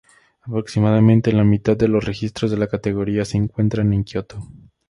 Aproximadamente la mitad de los registros de la categoría se encuentran en Kioto.